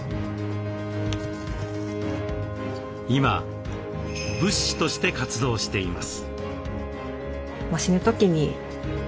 今仏師として活動しています。